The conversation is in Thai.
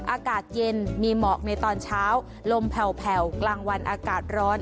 อากาศเย็นมีหมอกในตอนเช้าลมแผ่วกลางวันอากาศร้อน